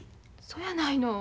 そやないの。